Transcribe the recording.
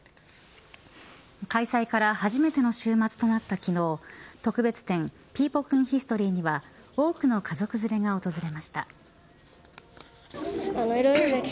開催から初めての週末となった昨日特別展ピーポくんＨｉｓｔｏｒｙには多くの家族連れが訪れました。